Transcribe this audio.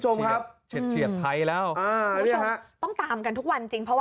โอโหเนี่ยครับคุณผู้ชมครับ